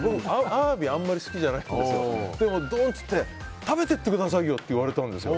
アワビ、あまり好きじゃないんですけどどうって言われて食べてってくださいって言われて。